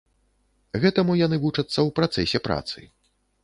Гэтаму яны вучацца ў працэсе працы.